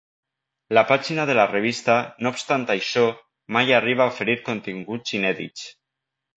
La pàgina de la revista, no obstant això, mai arriba a oferir continguts inèdits.